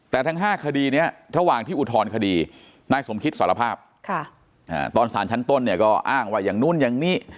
แต่ทั้ง๕คดีนี้ระหว่างที่อุทธรณคดีนายสมคิตสารภาพตอนสารชั้นต้นเนี่ยก็อ้างว่าอย่างนู้นอย่างนี้